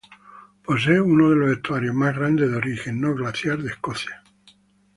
Posee uno de los estuarios más grandes de origen no glaciar de Escocia.